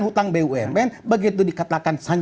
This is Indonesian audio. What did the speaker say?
hutang bumn begitu dikatakan